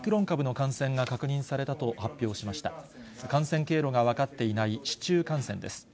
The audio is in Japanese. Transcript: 感染経路が分かっていない市中感染です。